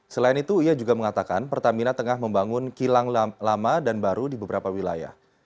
selain itu ia juga mengatakan pertamina tengah membangun kilang lama dan baru di beberapa wilayah